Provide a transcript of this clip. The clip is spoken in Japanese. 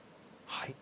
はい。